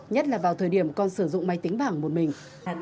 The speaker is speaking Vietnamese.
nhất là vào thời điểm con sử dụng máy tính bảng một mình